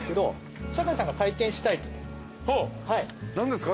何ですか？